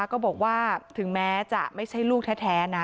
ก็บอกว่าถึงแม้จะไม่ใช่ลูกแท้นะ